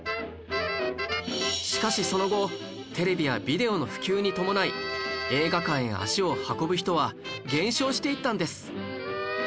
しかしその後テレビやビデオの普及に伴い映画館へ足を運ぶ人は減少していったんです